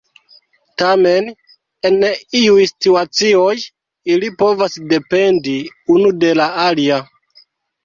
Tamen, en iuj situacioj ili povas dependi unu de la alia.